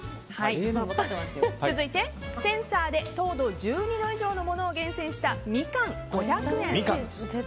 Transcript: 続いて、センサーで糖度１２度以上のものを厳選したみかん、５００円。